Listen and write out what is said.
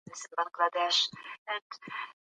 کرونا او د څارویو مرضونو په کلي کې فقر زیات کړی دی.